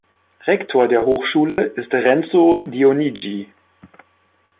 Rektor der Hochschule ist Renzo Dionigi.